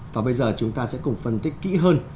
và bây giờ chúng ta sẽ cùng phân tích kỹ hơn